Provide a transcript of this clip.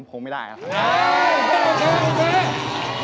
คงไม่ได้ครับ